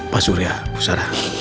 pak surya bu sara